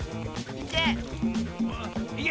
いけ！